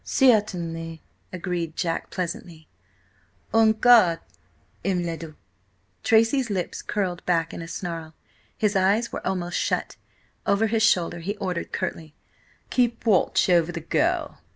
"Certainly," agreed Jack pleasantly. "On guard, M. le Duc!" Tracy's lips curled back in a snarl. His eyes were almost shut. Over his shoulder he ordered curtly: "Keep watch over the girl.